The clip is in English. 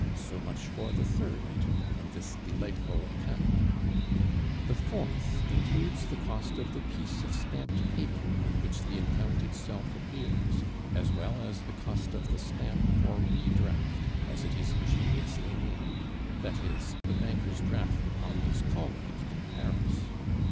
So much for the third item in this delightful account. The fourth includes the cost of the piece of stamped paper on which the account itself appears, as well as the cost of the stamp for re draft, as it is ingeniously named, viz., the banker's draft upon his colleague in Paris.